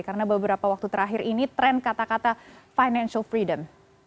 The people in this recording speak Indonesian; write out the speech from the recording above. karena beberapa waktu terakhir ini tren kata kata financial freedom